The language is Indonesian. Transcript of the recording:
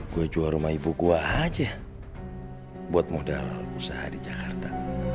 gue jual rumah ibu gue aja buat modal usaha di jakarta